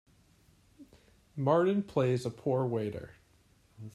Martin plays a poor waiter.